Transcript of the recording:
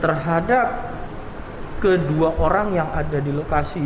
terhadap kedua orang yang ada di lokasi